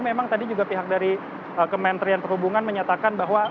memang tadi juga pihak dari kementerian perhubungan menyatakan bahwa